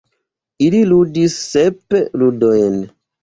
Ili ludis sep ludojn.